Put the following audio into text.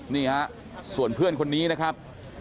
นี่ฮะส่วนเพื่อนคนนี้นะครับ